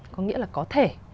có nghĩa là có thể